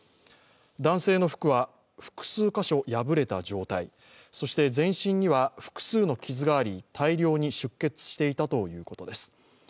男性の服は、複数箇所破れた状態そして全身には複数の傷があり大量に出血していたということです。